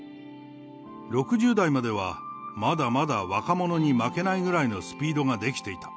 ６０代まではまだまだ若者に負けないぐらいのスピードができていた。